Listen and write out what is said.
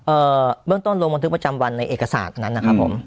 เบื้องต้นลงบันทึกประจำวันในเอกสารนั้นนะครับผม